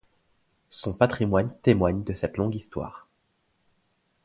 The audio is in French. Son patrimoine témoigne de cette longue histoire.